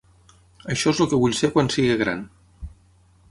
Això és el que vull ser quan sigui gran.